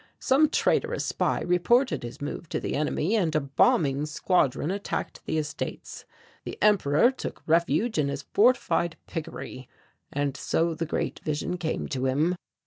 Some traitorous spy reported his move to the enemy and a bombing squadron attacked the estates. The Emperor took refuge in his fortified piggery. And so the great vision came to him.